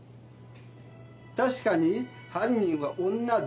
確かに犯人は女でした。